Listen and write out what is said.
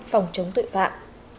phòng chống tội phạm